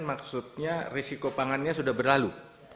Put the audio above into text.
maksudnya risiko pangannya sudah berlalu